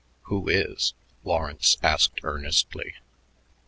"Who is," Lawrence asked earnestly.